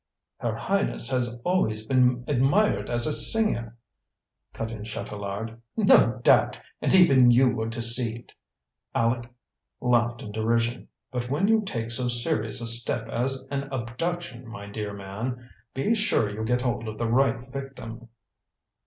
"Her Highness has always been admired as a singer!" cut in Chatelard. "No doubt! And even you were deceived!" Aleck laughed in derision. "But when you take so serious a step as an abduction, my dear man, be sure you get hold of the right victim."